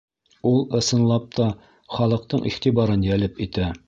Ул, ысынлап та, халыҡтың иғтибарын йәлеп итә